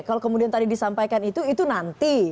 kalau kemudian tadi disampaikan itu itu nanti